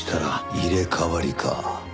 入れ替わりか。